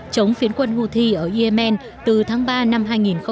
chống phiến quân houthi ở yemen từ tháng ba năm hai nghìn một mươi chín